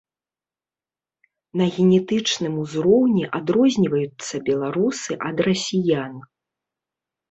На генетычным узроўні адрозніваюцца беларусы ад расіян.